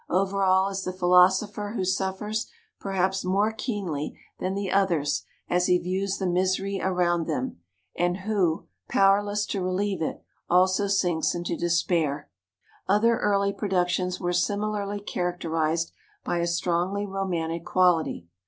Over all is the Philosopher who suffers perhaps more keenly than the others as he views the misery around them, and who, powerless to relieve it, also sinks into de spair. Other early productions were similarly characterized by a strongly romantic qual ity.